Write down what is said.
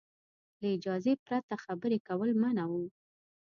له اجازې پرته خبرې کول منع وو.